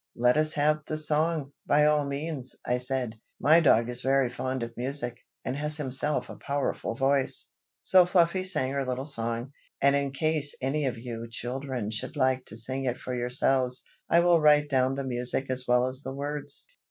"Let us have the song, by all means," I said. "My dog is very fond of music, and has himself a powerful voice." So Fluffy sang her little song; and in case any of you children should like to sing it for yourselves, I will write down the music as well as the words.